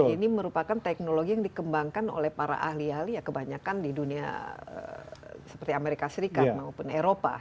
ini merupakan teknologi yang dikembangkan oleh para ahli ahli ya kebanyakan di dunia seperti amerika serikat maupun eropa